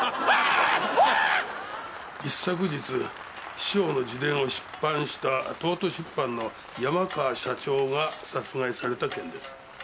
一昨日師匠の自伝を出版した東都出版の山川社長が殺害された件です。